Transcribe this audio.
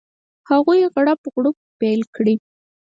هغوی غړپ غړوپ پیل کړي.